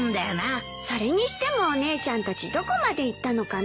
それにしてもお姉ちゃんたちどこまで行ったのかな。